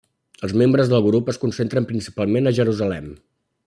Els membres del grup es concentren principalment a Jerusalem.